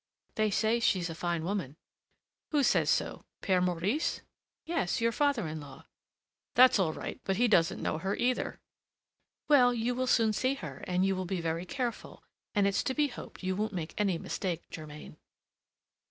"They say she's a fine woman." "Who says so? Père Maurice?" "Yes, your father in law." "That's all right; but he doesn't know her, either." "Well, you will soon see her; you will be very careful, and it's to be hoped you won't make any mistake, Germain."